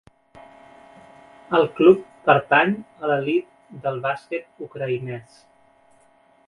El club pertany a l'elit del bàsquet ucraïnès.